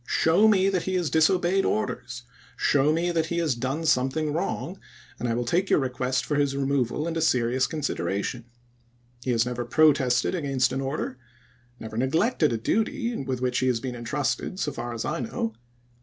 Show me that he has disobeyed orders ; show me that he has done some thing wrong, and I will take your request for his removal into serious consideration. He has never protested against an order — never neglected a duty with which he has been intrusted, so far as I know.